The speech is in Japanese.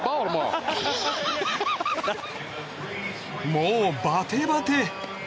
もうバテバテ。